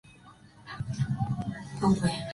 A su División Warner Bros.